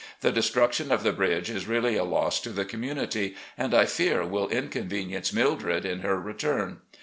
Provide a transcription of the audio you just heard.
The destruc tion of the bridge is really a loss to the community, and I fear will inconvenience Mildred in her return.